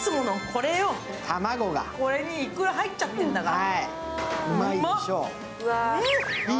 これにいくら入っちゃってるんだから。